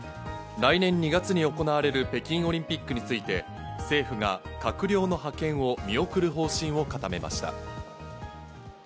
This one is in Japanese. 来年２月に行われる北京オリンピックについて政府が閣僚の派遣を見送る方針を固めました。